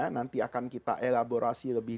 nanti akan kita elaborasi lebih